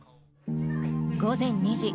午前２時。